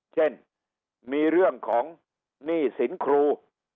เช่นมีเรื่องของหนี้สินครู